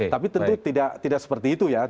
tapi tentu tidak seperti itu ya